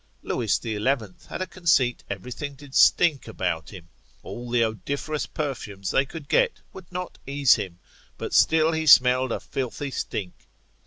Lewis the Eleventh had a conceit everything did stink about him, all the odoriferous perfumes they could get, would not ease him, but still he smelled a filthy stink.